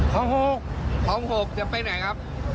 พร้อมหกพร้อมหกจะไปไหนครับ